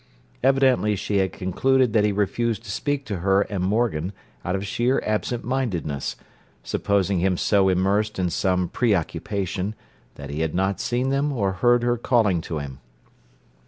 Evidently she had concluded that he refused to speak to her and Morgan out of sheer absent mindedness, supposing him so immersed in some preoccupation that he had not seen them or heard her calling to him.